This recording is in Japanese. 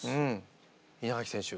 稲垣選手。